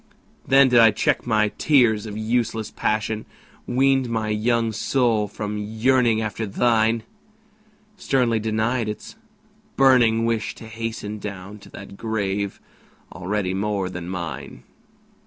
Then did I check my tears of useless passion, Weaned my young soul from yearning after thine, Sternly denied its burning wish to hasten Down to that grave already more than mine!